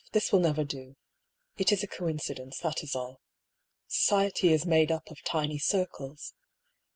" This will never do. It is a coincidence, that is all. Society is made up of tiny circles.